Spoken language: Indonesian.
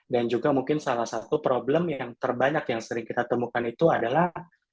dan juga mungkin salah satu problem yang terbanyak yang sering kita temukan itu adalah